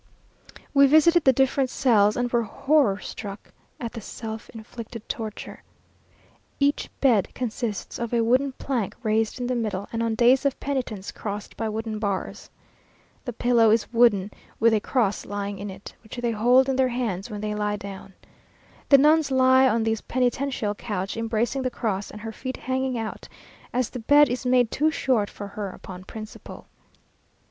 We visited the different cells, and were horror struck at the self inflicted tortures. Each bed consists of a wooden plank raised in the middle, and on days of penitence crossed by wooden bars. The pillow is wooden, with a cross lying on it, which they hold in their hands when they lie down. The nun lies on this penitential couch, embracing the cross, and her feet hanging out, as the bed is made too short for her upon principle.